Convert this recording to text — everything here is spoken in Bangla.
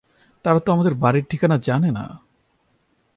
তারা তো আমাদের বাড়ির ঠিকানা জানে না।